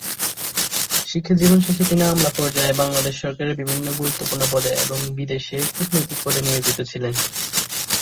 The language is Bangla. শিক্ষা জীবন শেষে তিনি আমলা পর্যায়ে বাংলাদেশ সরকারের বিভিন্ন গুরুত্বপূর্ণ পদে এবং বিদেশে কূটনৈতিক পদে নিয়োজিত ছিলেন।